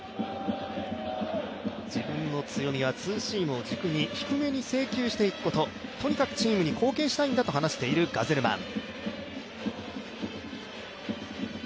自分の強みはツーシームを軸に低めに制球していくこと、とにかくチームに貢献したいんだと話しているガゼルマン。